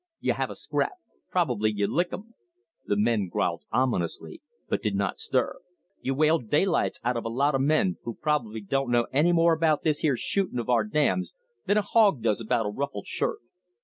You have a scrap; probably you lick 'em." The men growled ominously, but did not stir. "You whale daylights out of a lot of men who probably don't know any more about this here shooting of our dams than a hog does about a ruffled shirt.